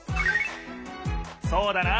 そうだな！